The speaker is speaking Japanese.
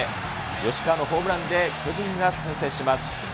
吉川のホームランで巨人が先制します。